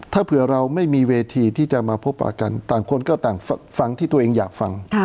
ถ้าเผื่อเราไม่มีเวทีที่จะมาพบปากกันต่างคนก็ต่างฟังที่ตัวเองอยากฟัง